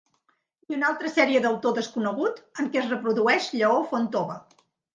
I una altra sèrie d'autor desconegut en què es reprodueix Lleó Fontova.